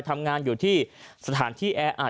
ทำงานอยู่ที่สถานพิครสัยแอะอัด